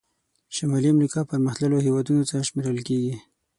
شمالي امریکا پرمختللو هېوادونو څخه شمیرل کیږي.